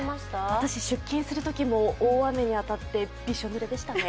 私、出勤するときも大雨に当たってびしょ濡れでしたね。